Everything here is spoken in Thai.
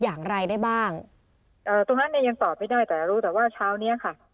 อย่างไรได้บ้างเอ่อตรงนั้นเนี่ยยังตอบไม่ได้แต่รู้แต่ว่าเช้าเนี้ยค่ะ